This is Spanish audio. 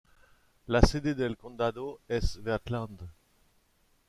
La sede del condado es Wheatland.